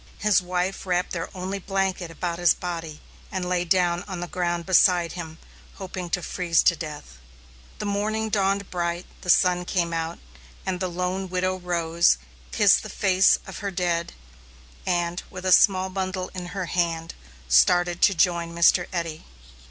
His wife wrapped their only blanket about his body, and lay down on the ground beside him, hoping to freeze to death. The morning dawned bright, the sun came out, and the lone widow rose, kissed the face of her dead, and, with a small bundle in her hand, started to join Mr. Eddy.